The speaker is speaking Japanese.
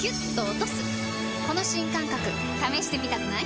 この新感覚試してみたくない？